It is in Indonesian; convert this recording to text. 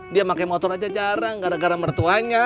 dia pakai motor aja jarang gara gara mertuanya